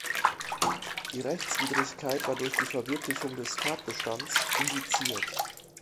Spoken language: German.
Die Rechtswidrigkeit war durch die Verwirklichung des Tatbestands indiziert.